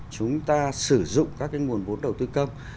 chúng ta sử dụng các cái nguồn vốn đầu tư công